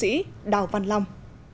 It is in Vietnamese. trung sĩ đào văn long